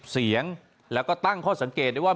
เสียงแล้วก็ตั้งข้อสังเกตได้ว่า